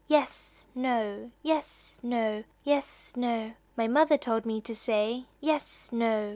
"Yes; no; yes; no; yes; no; My mother told me to say Yes; no."